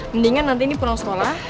mendingan nanti ini pulang sekolah